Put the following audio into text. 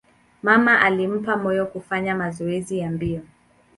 Mama alimpa moyo kufanya mazoezi ya mbio.